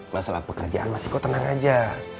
masalah pekerjaan mas iko tenang aja